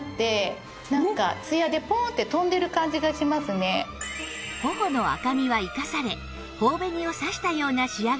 もうこれで頬の赤みは生かされ頬紅をさしたような仕上がりに